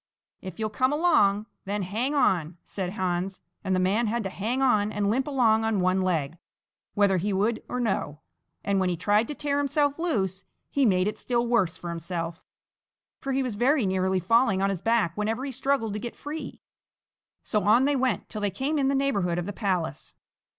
"If you'll come along, then hang on!" said Hans, and the man had to hang on and limp along on one leg, whether he would or no; and when he tried to tear himself loose, he made it still worse for himself, for he was very nearly falling on his back whenever he struggled to get free. So on they went till they came in the neighborhood of the palace.